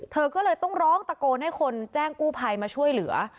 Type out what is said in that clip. เธอก็เลยต้องร้องตะโกนให้คนแจ้งกู้ภัยมาช่วยเหลือ